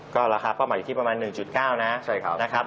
ก็ราคาเป้าหมายอยู่ที่ประมาณ๑๙นะครับ